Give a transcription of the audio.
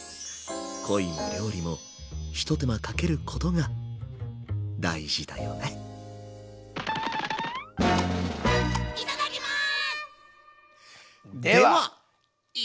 恋も料理もひと手間かけることが大事だよねではいただきます。